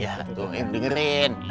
ya tuh dengerin